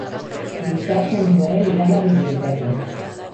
Dissabte en Joel irà a la biblioteca.